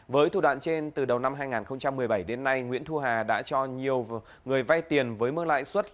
với thủ đoạn trên từ đầu năm hai nghìn một mươi bảy đến nay nguyễn thu hà đã cho nhiều người vay tiền với mức lãi suất